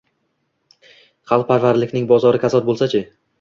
xalqparvarlikning bozori kasod bo’lsa-chi?